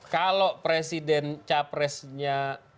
kalau presiden capresnya